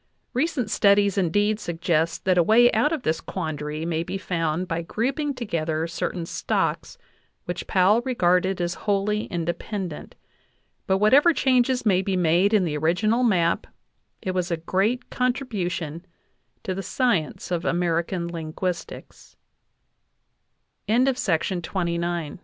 Recent studies indeed suggest that a way out of this quandary may be found by grouping together cer tain stocks which Powell regarded as wholly independent ; but 'whatever changes may be made in the original map, it was a great contribution to the science of American ling